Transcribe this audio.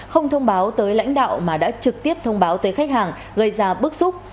không thông báo tới lãnh đạo mà đã trực tiếp thông báo tới khách hàng gây ra bức xúc